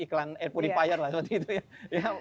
iklan air purifier lah